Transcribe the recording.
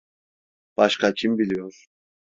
Başka kim biliyor?